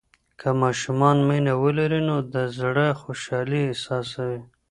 که ماشومان مینه ولري، نو د زړه خوشالي احساسوي.